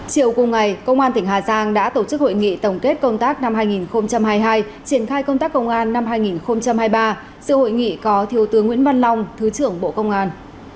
chiều cùng ngày công an tỉnh hà giang đã tổ chức hội nghị tổng kết công tác năm hai nghìn hai mươi hai triển khai công tác công an năm hai nghìn hai mươi ba sự hội nghị có thiếu tướng nguyễn văn long thứ trưởng bộ công an